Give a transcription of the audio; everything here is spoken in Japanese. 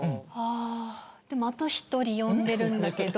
あでもあと１人呼んでるんだけど。